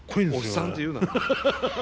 おっさんって言うな。